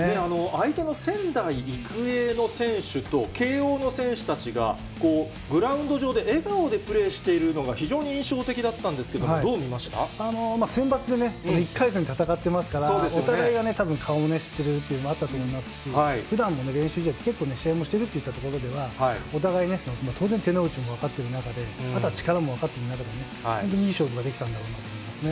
相手の仙台育英の選手と慶応の選手たちがグラウンド上で笑顔でプレーしているのが非常に印象的だったんですけど、どう見ましセンバツでね、１回戦戦ってますから、お互いがね、たぶん、顔を知ってるっていうのもあったと思いますし、ふだんも練習試合って、結構ね、試合もしているといったところでは、お互いね、当然、手の内も分かってる中で、あとは力も分かっている中で、本当にいい勝負ができたんだろうなと思いますね。